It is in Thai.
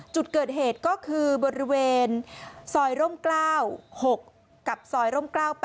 จุดเกิดเหตุก็คือบริเวณซอยร่ม๙๖กับซอยร่ม๙๘